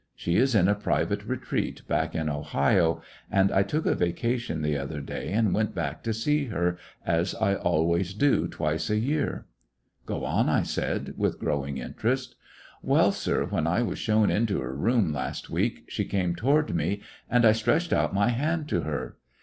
She is in a private retreat back in Ohio, and I took a vacation the other day and went back to see her, as I always do twice a year." "Go on," I said, with growing interest. "Well, sir, when I was shown into her room last week, she came toward me, and I stretched out my hand to her.